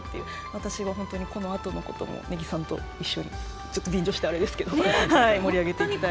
私は、このあとのことを根木さんと一緒に便乗してあれですけど盛り上げていきたいなって。